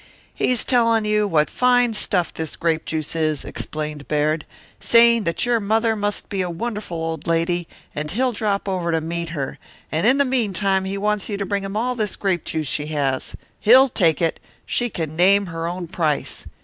"He's telling you what fine stuff this grape juice is," explained Baird; "saying that your mother must be a wonderful old lady, and he'll drop over to meet her; and in the meantime he wants you to bring him all this grape juice she has. He'll take it; she can name her own price.